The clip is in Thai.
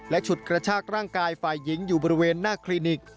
ฉุดกระชากร่างกายฝ่ายหญิงอยู่บริเวณหน้าคลินิก